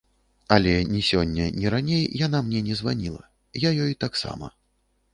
Але ні сёння, ні раней яна мне не званіла, я ёй таксама.